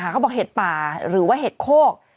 เขาบอกเห็ดป่าหรือว่าเห็ดโคก